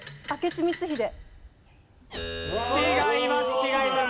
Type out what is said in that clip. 違います。